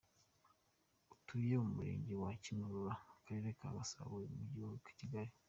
Atuye mu Murenge wa Kimihurura, akarere ka Gasabo mu mujyi wa Kigali.